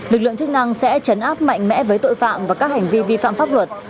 lực lượng chức năng sẽ chấn áp mạnh mẽ với tội phạm và các hành vi vi phạm pháp luật